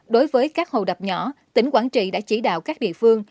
đối với các hồ đập nhỏ tỉnh quảng trị đã chỉ đạo các địa phương